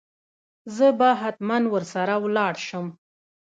زه به هتمن ور سره ولاړ شم.